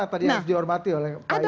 yang tadi harus dihormati oleh pak yayi